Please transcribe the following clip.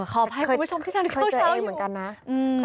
ขอโทษให้คุณผู้ชมที่เท่านั้นเข้าเช้าอยู่เคยเจอเองเหมือนกันนะ